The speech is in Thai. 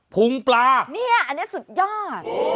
ผุงปลาอันนี้สุดยอด